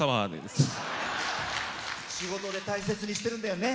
仕事で大切にしてるんだよね。